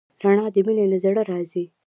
رڼا د مینې له زړه راځي.